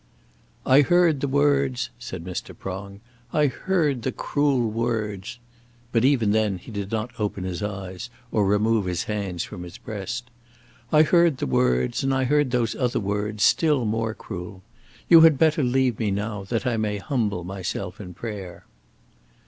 "I heard the words," said Mr. Prong, "I heard the cruel words." But even then he did not open his eyes, or remove his hands from his breast. "I heard the words, and I heard those other words, still more cruel. You had better leave me now that I may humble myself in prayer."